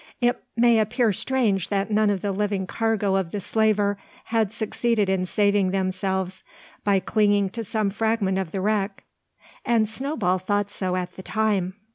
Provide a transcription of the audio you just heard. It may appear strange that none of the living cargo of the slaver had succeeded in saving themselves, by clinging to some fragment of the wreck; and Snowball thought so at the time.